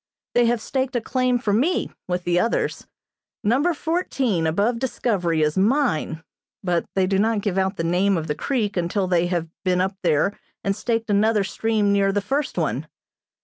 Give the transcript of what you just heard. They have staked a claim for me, with the others. Number Fourteen, above Discovery, is mine, but they do not give out the name of the creek until they have been up there and staked another stream near the first one.